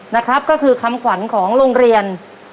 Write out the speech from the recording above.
นะครับก็คือคำขวัญของโรงเรียน